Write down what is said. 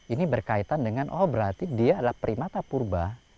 ini berkaitan dengan oh berarti dia adalah primata purba